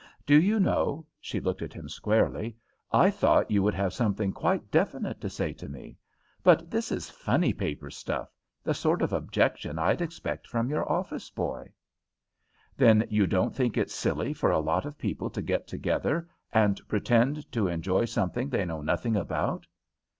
Do you know" she looked at him squarely "I thought you would have something quite definite to say to me; but this is funny paper stuff, the sort of objection I'd expect from your office boy." "Then you don't think it silly for a lot of people to get together and pretend to enjoy something they know nothing about?"